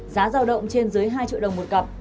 giá giao động trên dưới hai triệu đồng một cặp